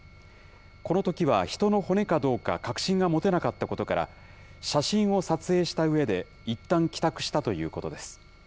このときは人の骨かどうか確信が持てなかったことから、写真を撮影したうえで、いったん帰宅したということです。